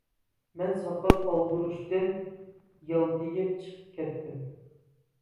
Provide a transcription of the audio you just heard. مەن ساقال ئالدۇرۇشتىن يالتىيىپ چىقىپ كەتتىم.